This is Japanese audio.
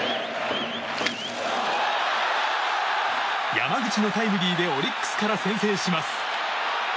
山口のタイムリーでオリックスから先制します。